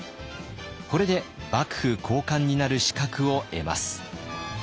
これで幕府高官になる資格を得ます。